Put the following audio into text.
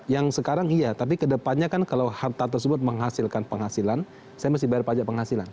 yang sekarang iya tapi kedepannya kan kalau harta tersebut menghasilkan penghasilan saya mesti bayar pajak penghasilan